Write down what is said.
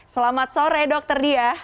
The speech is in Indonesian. selamat sore dokter diyah